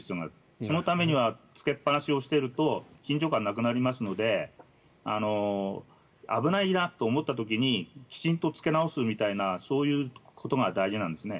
そのためには着けっぱなしをしていると緊張感がなくなりますので危ないなと思った時にきちんと着け直すみたいなそういうことが大事なんです。